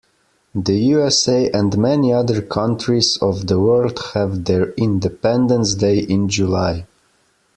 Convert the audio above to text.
The USA and many other countries of the world have their independence day in July.